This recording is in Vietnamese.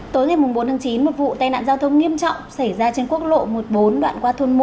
tối ngày bốn tháng chín một vụ tai nạn giao thông nghiêm trọng xảy ra trên quốc lộ một mươi bốn đoạn qua thôn một